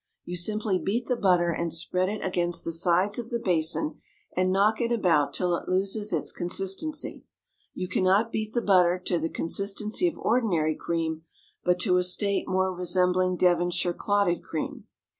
You simply beat the butter and spread it against the sides of the basin and knock it about till it loses its consistency. You cannot beat the butter to the consistency of ordinary cream, but to a state more resembling Devonshire clotted cream.